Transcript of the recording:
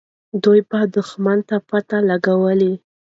دوی به دښمن ته پته لګوله.